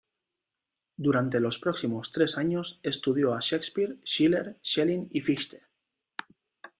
Durante los próximos tres años estudió a Shakespeare, Schiller, Schelling y Fichte.